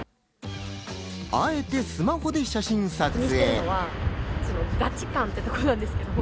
あえて、スマホで写真撮影。